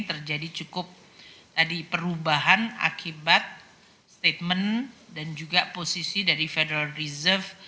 terjadi cukup tadi perubahan akibat statement dan juga posisi dari federal reserve